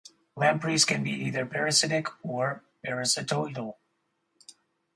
Lampreys can be either parasitic or parasitoidal.